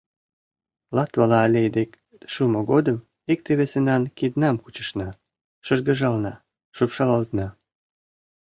Латвала аллей дек шумо годым икте-весынан киднам кучышна, шыргыжална, шупшалалтна.